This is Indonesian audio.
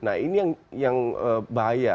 nah ini yang bahaya